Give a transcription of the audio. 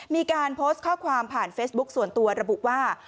มีการโพสต์ข้อความผ่านเฟซบุ๊คส่วนตัวระบุว่า